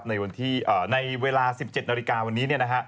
ในเวลา๑๗นาฬิกาวันนี้